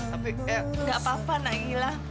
tapi eh tidak apa apa naila